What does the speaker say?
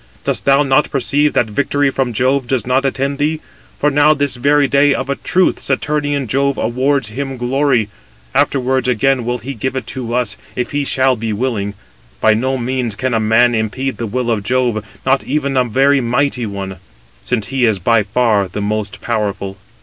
Dost thou not perceive that victory from Jove does not attend thee? For now, this very day, of a truth, Saturnian Jove awards him glory; afterwards again will he give it to us, if he shall be willing. By no means can a man impede the will of Jove, not even a very mighty one; since he is by far the most powerful."